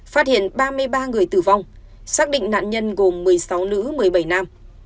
phát hiện ba mươi ba người tử vong xác định nạn nhân gồm một mươi sáu nữ một mươi bảy nam